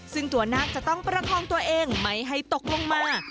ซึ่งตัวนาคจะต้องประคองตัวเองไม่ให้ตกลงมา